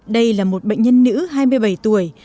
đây là một bệnh nhân nữ hai mươi bảy tuổi